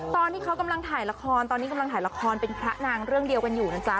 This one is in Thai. ตอนที่เขากำลังถ่ายละครเป็นกระนางเรื่องเดียวกันอยู่นะจ๊ะ